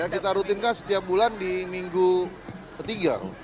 kita rutinkan setiap bulan di minggu ketiga